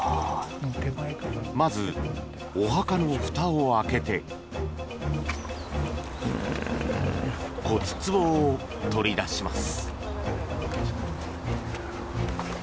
まず、お墓のふたを開けて骨つぼを取り出します。